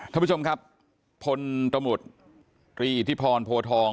ท่านผู้ชมครับพลตมตรีอิทธิพรโพทอง